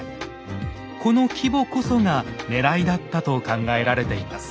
この規模こそがねらいだったと考えられています。